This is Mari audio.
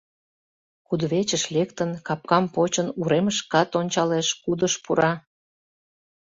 кудывечыш лектын, капкам почын, уремышкат ончалеш, кудыш пура.